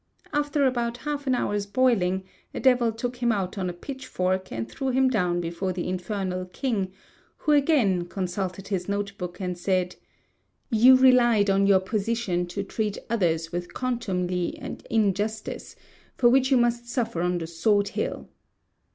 After about half an hour's boiling, a devil took him out on a pitchfork and threw him down before the Infernal King, who again consulted his note book, and said, "You relied on your position to treat others with contumely and injustice, for which you must suffer on the Sword Hill."